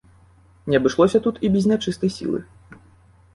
Не абышлося тут і без нячыстай сілы.